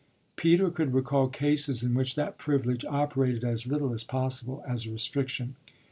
Peter could recall cases in which that privilege operated as little as possible as a restriction.